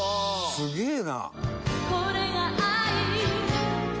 「すげえな！」